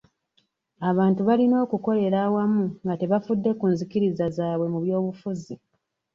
Abantu balina okukolera awamu nga tebafudde ku nzikiriza zaabwe mu byobufuzi.